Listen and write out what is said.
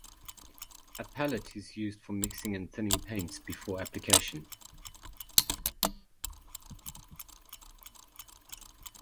A palette is used for mixing and thinning paints before application.